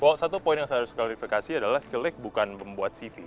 wah satu poin yang saya harus klarifikasi adalah skilledat bukan membuat cv